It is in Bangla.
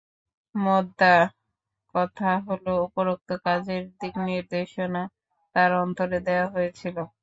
মোদ্দাকথা হল, উপরোক্ত কাজের দিকনির্দেশনা তাঁর অন্তরে দেয়া হয়েছিল।